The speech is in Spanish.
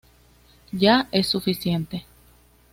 Ya es suficiente".